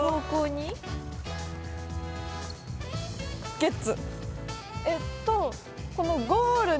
ゲッツ！